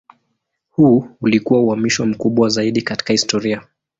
Huu ulikuwa uhamisho mkubwa zaidi katika historia.